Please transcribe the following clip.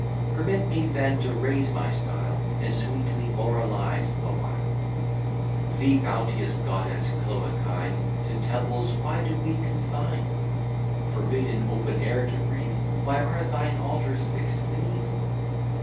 Permit me then to raise my style, And sweetly moralize a while. Thee, bounteous goddess Cloacine, To temples why do we confine? Forbid in open air to breathe, Why are thine altars fix'd beneath?